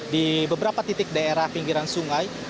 di beberapa titik daerah pinggiran sungai